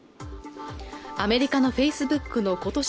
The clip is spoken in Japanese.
アメリカのフェイスブックのことし